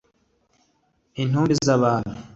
intumbi z abami